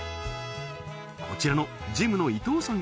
こちらのジムの伊東さん